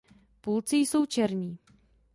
Pulci jsou černí.